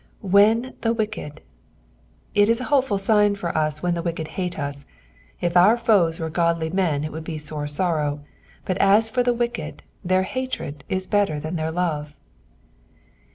"Wh^ t/u vrieied.''^ It in a ho[>eful sign for oa when the wirked hate us ; if our foes were godljr men it would be a sore sorrow, but *s for the wicked their hatred is better than their love.